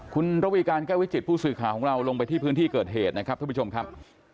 คุณระวีการแก้ววิจิตผู้สื่อข่าวของเราลงไปที่พื้นที่เกิดเหตุนะครับท่านผู้ชมครับ